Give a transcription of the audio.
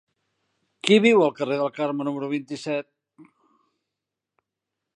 Qui viu al carrer del Carme número vint-i-set?